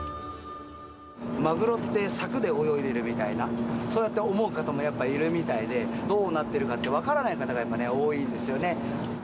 マグロって、さくで泳いでるみたいな、そうやって思う方もやっぱいるみたいで、どうなってるかって分からない方が、やっぱね、多いんですよね。